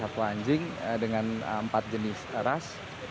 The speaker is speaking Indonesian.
lima puluh satu anjing dengan empat jenis ras